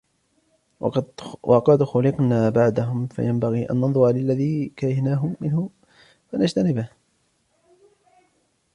وَقَدْ خُلِقْنَا بَعْدَهُمْ فَيَنْبَغِي أَنْ نَنْظُرَ لِلَّذِي كَرِهْنَاهُ مِنْهُمْ فَنَجْتَنِبَهُ